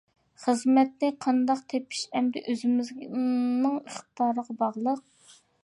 خىزمەتنى قانداق تېپىش ئەمدى ئۆزىمىزنىڭ ئىقتىدارىغا باغلىق.